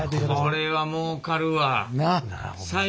これはもうかるわ。